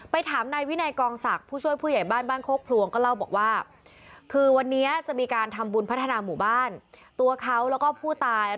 ไปถามนายวินัยกองศักดิ์ผู้ช่วยผู้ใหญ่บ้านบ้านโคกพลวงก็เล่าบอกว่า